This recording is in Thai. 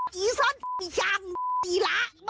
จริงหรอ